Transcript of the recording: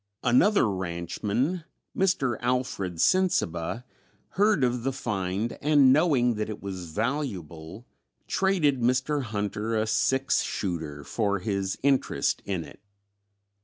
Another ranchman, Mr. Alfred Sensiba, heard of the find and knowing that it was valuable 'traded' Mr. Hunter a six shooter for his interest in it.